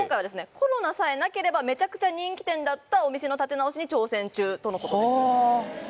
コロナさえなければメチャクチャ人気店だったお店の立て直しに挑戦中とのことですはあ